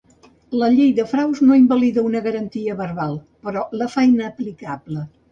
La llei de fraus no invalida una garantia verbal, però la fa inaplicable.